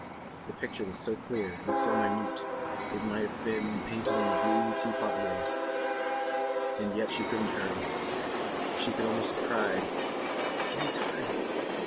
The picture was so clear and so minute it might have been painted on the blue teapot lid. And yet she couldn't hurry. She could almost have cried: "Give me time."